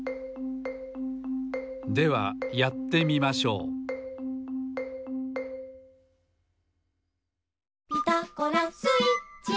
ではやってみましょう「ピタゴラスイッチ」